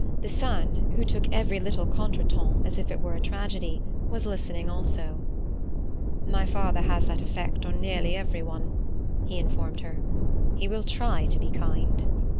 The son, who took every little contretemps as if it were a tragedy, was listening also. "My father has that effect on nearly everyone," he informed her. "He will try to be kind."